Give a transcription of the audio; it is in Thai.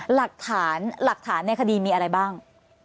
หลักฐานในคดีมีอะไรบ้าง